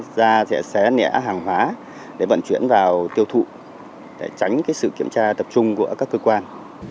chúng ta sẽ xé nẻ hàng hóa để vận chuyển vào tiêu thụ để tránh sự kiểm tra tập trung của các cơ quan